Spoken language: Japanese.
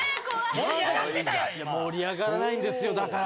盛り上がらないんですよだから。